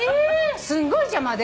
すっごい邪魔で。